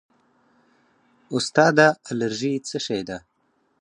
استاده الرژي څه شی ده